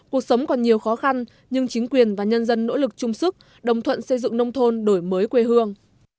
cuộc sống còn nhiều khó khăn nhưng chính quyền và nhân dân nỗ lực chung sức đồng thuận xây dựng nông thôn đổi mới quê hương